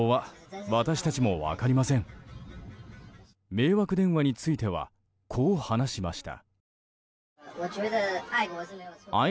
迷惑電話についてはこう話しました。